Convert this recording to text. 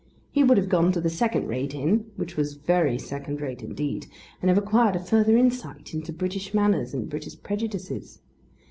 He would have gone to the second rate inn, which was very second rate indeed, and have acquired a further insight into British manners and British prejudices.